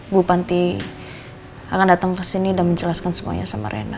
bu panti akan datang kesini dan menjelaskan semuanya sama rena